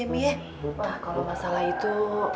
wah kalau masalah itu